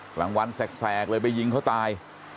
กลางวันแสกเลยไปยิงเขาตาย